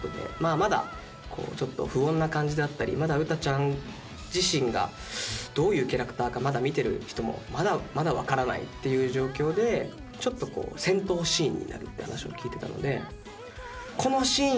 まだ不穏な感じだったりまだウタちゃん自身がどういうキャラクターか見てる人もまだ分からないっていう状況で戦闘シーンになるって話を聞いてたので。